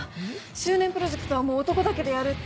周年プロジェクトはもう男だけでやるって。